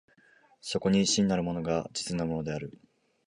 そこに真なるものが実なるものである。